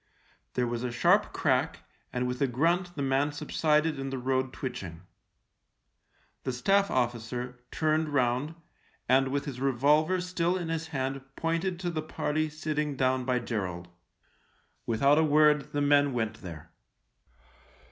There was a sharp crack, and with a grunt the man sub sided in the road twitching. The Staff officer, turned round, and with his revolver still in his hand pointed to the party sitting down by Gerald. Without a word the men went there.